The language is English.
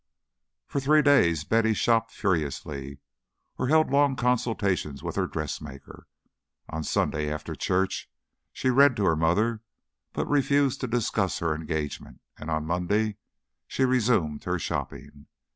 For three days Betty shopped furiously, or held long consultations with her dressmaker. On Sunday, after church, she read to her mother, but refused to discuss her engagement, and on Monday she resumed her shopping.